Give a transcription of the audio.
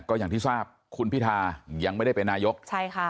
ก็อย่างที่ทราบคุณพิทายังไม่ได้เป็นนายกใช่ค่ะ